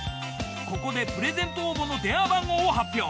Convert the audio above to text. ここでプレゼント応募の電話番号を発表。